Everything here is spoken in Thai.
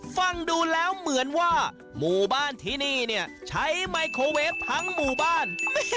ฟังดูแล้วเหมือนว่าหมู่บ้านที่นี่เนี่ยใช้ไมโครเวฟทั้งหมู่บ้าน